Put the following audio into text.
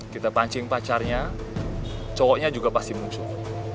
kita pancing pacarnya cowoknya juga pasti muncul